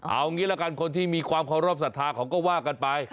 เอางี้ละกันคนที่มีความเคารพสัทธาเขาก็ว่ากันไป